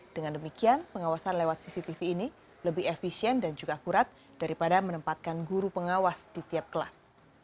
dengan demikian pengawasan lewat cctv ini lebih efisien dan juga akurat daripada menempatkan guru pengawas di tiap kelas